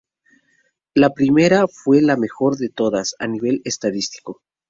La primera fue la mejor de todas a nivel estadístico.